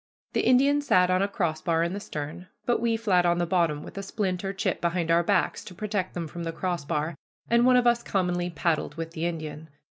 The Indian sat on a crossbar in the stern, but we flat on the bottom with a splint or chip behind our backs to protect them from the crossbar, and one of us commonly paddled with the Indian.